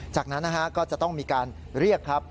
จากนั้นนะฮะก็จะต้องมีการเรียกครับ